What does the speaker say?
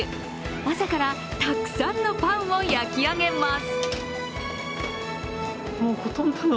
朝からたくさんのパンを焼き上げます。